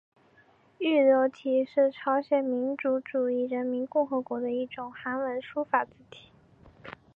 玉流体是朝鲜民主主义人民共和国的一种韩文书法字体。